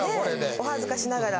お恥ずかしながら。